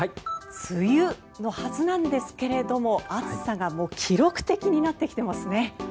梅雨のはずなんですけども暑さが記録的になってきていますね。